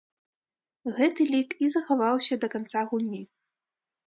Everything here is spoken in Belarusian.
Гэты лік і захаваўся да канца гульні.